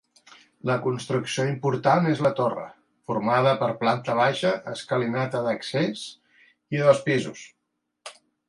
La construcció important és la torre, formada per planta baixa, escalinata d'accés i dos pisos.